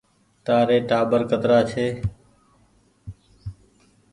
تآري ٽآٻر ڪترآ ڇي ۔